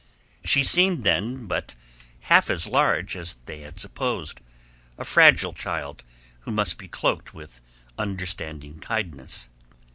She seemed then but half as large as they had supposed; a fragile child who must be cloaked with understanding kindness.